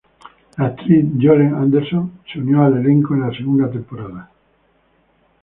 La actriz Jolene Anderson se unió al elenco en la segunda temporada.